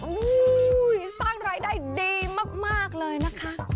โอ้โหสร้างรายได้ดีมากเลยนะคะ